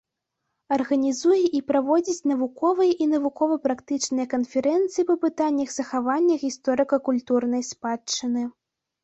Арганізуе і праводзіць навуковыя і навукова-практычныя канферэнцыі па пытаннях захавання гісторыка-культурнай спадчыны.